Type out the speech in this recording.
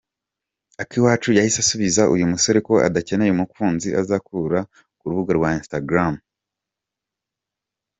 Akiwacu yahise asubiza uyu musore ko adakeneye umukunzi azakura ku rubuga rwa Instagram.